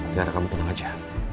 jangan kamu tenang aja